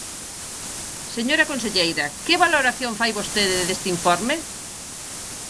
Señora conselleira, ¿que valoración fai vostede deste informe?